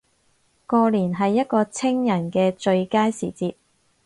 過年係一個清人既最佳時節